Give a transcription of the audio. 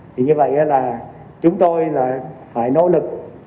vì vậy chúng tôi phải nỗ lực